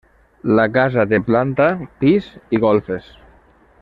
La casa té planta, pis i golfes.